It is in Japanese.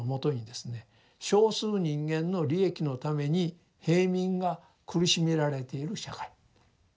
少数人間の利益のために平民が苦しめられている社会。